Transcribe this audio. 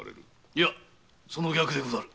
いやその逆でござる。